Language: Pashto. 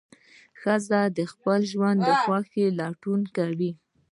ښځه د خپل ژوند د خوښۍ لټون کوي.